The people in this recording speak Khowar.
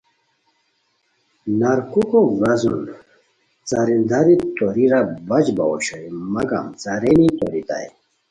نرکوکو ورازون څارینداری توریرا بچ باؤ اوشوئے مگم څارینی توریتائے